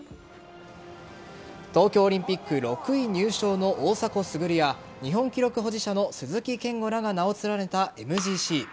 東京オリンピック６位入賞の大迫傑や日本記録保持者の鈴木健吾らが名を連ねたＭＧＣ。